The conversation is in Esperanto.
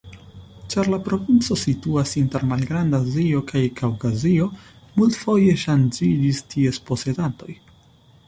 Ĉar la provinco situas inter Malgranda Azio kaj Kaŭkazio, multfoje ŝanĝiĝis ties posedantoj.